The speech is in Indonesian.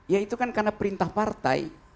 ya itu kan karena perintah partai